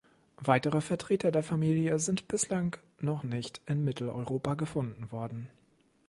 Weitere Vertreter der Familie sind bislang noch nicht in Mitteleuropa gefunden worden.